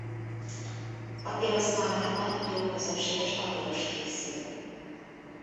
Papiros-malmában jó közönséges papiros készül.